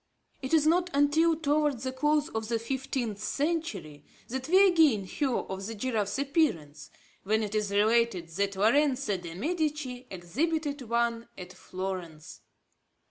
It is not until towards the close of the fifteenth century, that we again hear of the giraffe's appearance, when it is related that Lorenzo de Medici exhibited one at Florence.